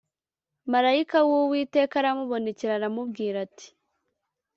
Malayika w’uwiteka aramubonekera aramubwira ati